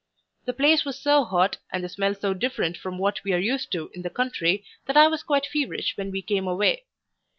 The place was so hot, and the smell so different from what we are used to in the country, that I was quite feverish when we came away.